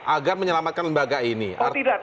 agar menyelamatkan lembaga ini tidak mati